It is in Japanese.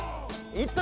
いった！